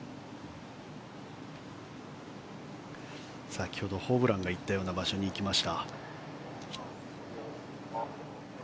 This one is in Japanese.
先ほどホブランが行ったような場所に行きました。